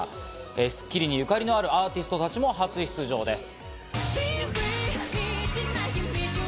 『スッキリ』にゆかりのあるアーティストたちも初出場です。